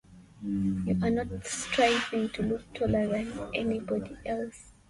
You are not striving to look taller than any body else.